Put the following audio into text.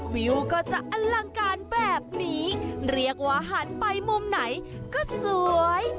วิวก็จะอลังการแบบนี้เรียกว่าหันไปมุมไหนก็สวย